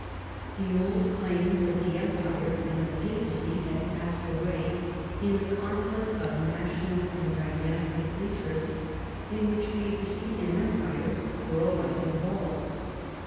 The old claims of the empire and the papacy had passed away in the conflict of national and dynastic interests, in which papacy and empire were alike involved.